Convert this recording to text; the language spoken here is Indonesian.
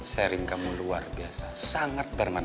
sharing kamu luar biasa sangat bermanfaat